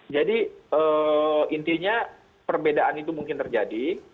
jadi intinya perbedaan itu mungkin terjadi